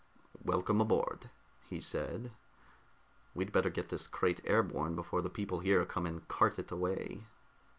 "Welcome aboard," he said. "We'd better get this crate airborne before the people here come and cart it away."